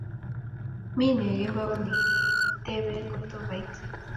mi nee kembout nii kiiteb kotobati